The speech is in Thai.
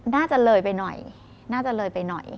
น่าจะเลยไปหน่อย